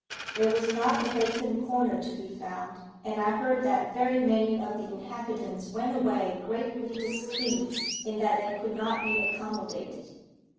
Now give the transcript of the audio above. There was not a vacant corner to be found; and I heard that very many of the inhabitants went away greatly displeased in that they could not be accommodated.